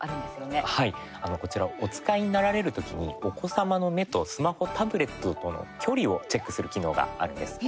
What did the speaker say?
こちら、お使いになられる時にお子様の目とスマホ、タブレットとの距離をチェックする機能があるんです。